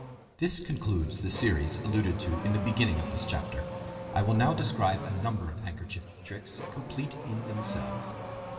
This concludes the series alluded to in the beginning of this chapter. I will now describe a number of handkerchief tricks complete in themselves.